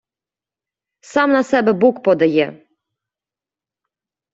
Сам на себе бук подає!